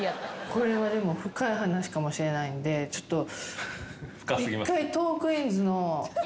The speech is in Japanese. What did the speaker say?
これはでも深い話かもしれないんでちょっと一回。